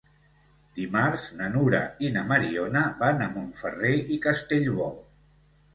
Dimarts na Nura i na Mariona van a Montferrer i Castellbò.